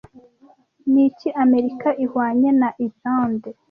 Niki Amerika ihwanye na Irlande